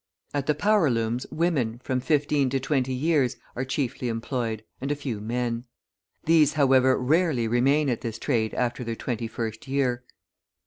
At the power looms women, from fifteen to twenty years, are chiefly employed, and a few men; these, however, rarely remain at this trade after their twenty first year.